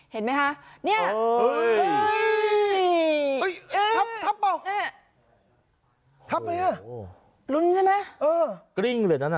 เห็นไหมคะเนี่ยเอ้ยทับทับเปล่าทับไหมคะลุ้นใช่ไหมเออกริ้งเลยนั่นน่ะ